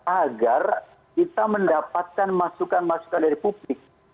agar kita mendapatkan masukan masukan dari publik